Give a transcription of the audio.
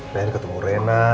nanti ketemu rena